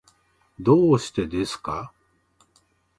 どうしてですか？